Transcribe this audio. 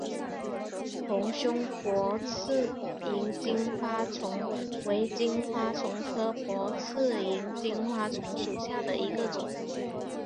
红胸薄翅萤金花虫为金花虫科薄翅萤金花虫属下的一个种。